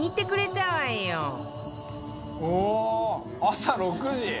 朝６時！？」